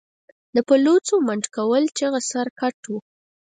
د پلوڅو، منډکول چغه سر، ګټ و